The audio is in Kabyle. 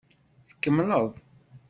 Tkemmleḍ.